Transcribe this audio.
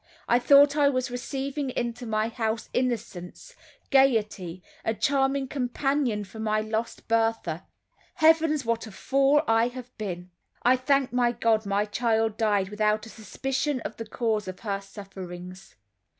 I thought I was receiving into my house innocence, gaiety, a charming companion for my lost Bertha. Heavens! what a fool have I been! I thank God my child died without a suspicion of the cause of her sufferings.